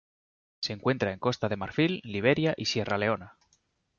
Se encuentra en Costa de Marfil, Liberia y Sierra Leona.